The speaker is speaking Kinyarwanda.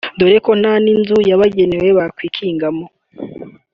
dore ko nta n’inzu yabagenewe bakwikingamo